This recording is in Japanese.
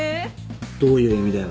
どういう意味だよ。